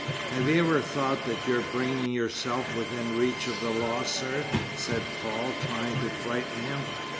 "Have you ever thought that you're bringing yourself within reach of the law, sir?" said Paul, trying to frighten him.